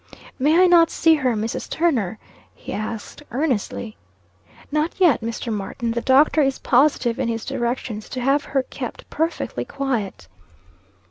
"May I not see her, Mrs. Turner?" he asked, earnestly. "Not yet, Mr. Martin, The doctor is positive in his directions to have her kept perfectly quiet."